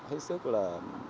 hết sức là